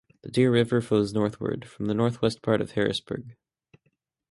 The Deer River flows northward from the northwest part of Harrisburg.